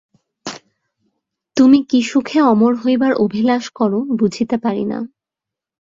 তুমি কী সুখে অমর হইবার অভিলাষ কর বুঝিতে পারি না।